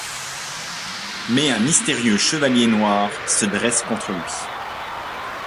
Mais un mystérieux chevalier noir, se dresse contre lui….